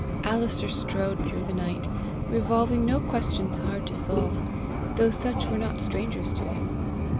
Alister strode through the night, revolving no questions hard to solve, though such were not strangers to him.